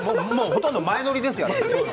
ほとんど前乗りですよ。